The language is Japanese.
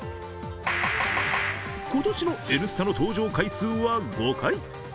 今年の「Ｎスタ」の登場回数は５回。